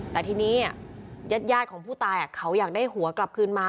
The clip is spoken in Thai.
แต่ทีนี้ญาติของผู้ตายเขาอยากได้หัวกลับคืนมา